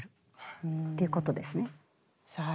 さあ